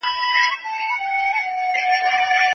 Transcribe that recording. پارلمان به د ديني مراسمو د ازادۍ قانون جوړوي.